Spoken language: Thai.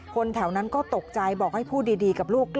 คนแถวนั้นก็ตกใจบอกให้พูดดีกับลูก